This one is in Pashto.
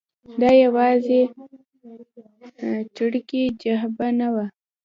دا یوازې چریکي جبهه نه وه.